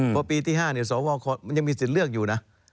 เพราะปีที่๕สวคตยังมีสินเลือกอยู่นะ